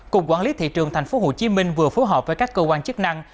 cục quản lý thị trường tp hcm vừa phối hợp với các cơ quan chức năng